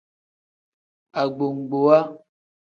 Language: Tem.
Agbogbowa.